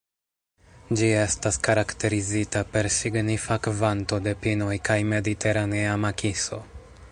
Ĝi estas karakterizita per signifa kvanto de pinoj kaj mediteranea makiso.